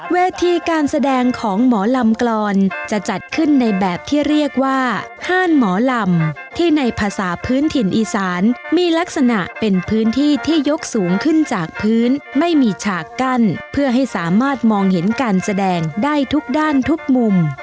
เวทีการแสดงของหมอลำกรอนจะจัดขึ้นในแบบที่เรียกว่าห้านหมอลำที่ในภาษาพื้นถิ่นอีสานมีลักษณะเป็นพื้นที่ที่ยกสูงขึ้นจากพื้นไม่มีฉากกั้นเพื่อให้สามารถมองเห็นการแสดงได้ทุกด้านทุกมุม